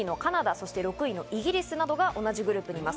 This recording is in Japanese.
そして６位のイギリスなどが同じグループです。